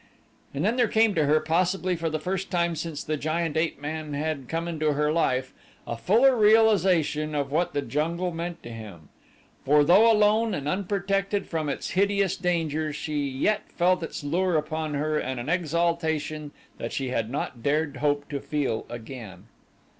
And then there came to her, possibly for the first time since the giant ape man had come into her life, a fuller realization of what the jungle meant to him, for though alone and unprotected from its hideous dangers she yet felt its lure upon her and an exaltation that she had not dared hope to feel again.